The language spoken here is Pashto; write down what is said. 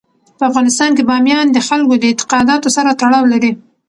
په افغانستان کې بامیان د خلکو د اعتقاداتو سره تړاو لري.